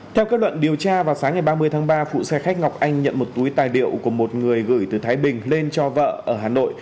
theo kết luận điều tra vào sáng ngày ba mươi tháng ba phụ xe khách ngọc anh nhận một túi tài liệu của một người gửi từ thái bình lên cho vợ ở hà nội